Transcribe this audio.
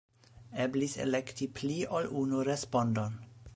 Eblis elekti pli ol unu respondon.